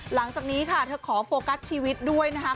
หลังจากนี้ค่ะเธอขอโฟกัสชีวิตด้วยนะคะ